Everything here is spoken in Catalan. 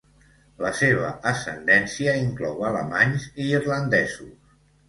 La seva ascendència inclou alemanys i irlandesos.